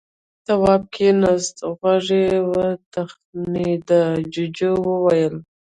تواب کېناست. غوږ يې وتخڼېد. جُوجُو وويل: